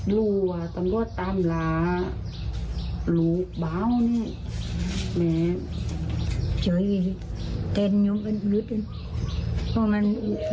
ลูกอ่ะตำรวจตามหลาลูกเบาเนี่ยแม่เจ๋งเต็มยุ่มกันหรือเปลื้อ